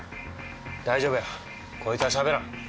大丈夫やこいつはしゃべらん。